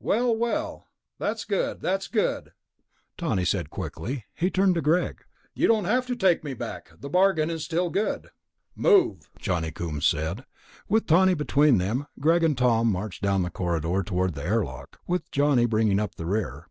"Well ... well, that's good, that's good," Tawney said quickly. He turned to Greg. "You don't have to take me back ... the bargain is still good...." "Move," Johnny Coombs said. With Tawney between them, Greg and Tom marched down the corridor toward the airlock, with Johnny bringing up the rear.